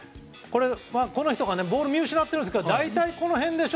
この人がボールを見失ってるんですけど大体この辺でしょ？